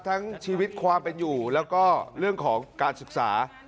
ทั้งชีวิตความเป็นอยู่แล้วก็เรื่องของการศึกษา